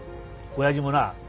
おやじもな